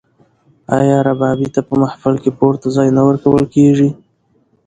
آیا ربابي ته په محفل کې پورته ځای نه ورکول کیږي؟